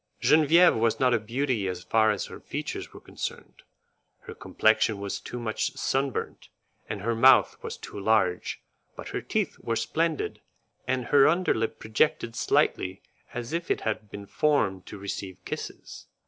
Genevieve was not a beauty as far as her features were concerned; her complexion was too much sunburnt, and her mouth was too large, but her teeth were splendid, and her under lip projected slightly as if it had been formed to receive kisses.